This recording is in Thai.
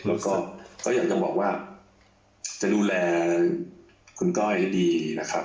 แล้วก็อยากจะบอกว่าจะดูแลคุณก้อยดีนะครับ